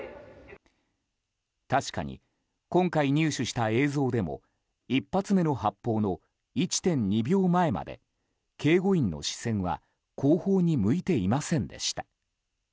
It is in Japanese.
確かに今回入手した映像でも１発目の発砲の１．２秒前まで警護員の視線は後方に向いていませんでした。